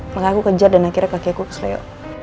makanya aku kejar dan akhirnya kakekku keselio